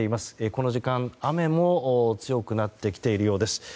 この時間、雨も強くなってきているようです。